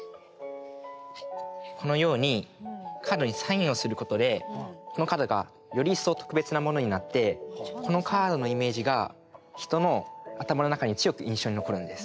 このようにカードにサインをすることでこのカードがより一層特別なものになってこのカードのイメージが人の頭の中に強く印象に残るんです。